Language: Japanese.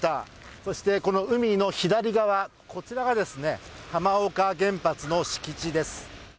そしてこの海の左側、こちらが、浜岡原発の敷地です。